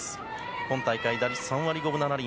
今大会、打率３割５分７厘。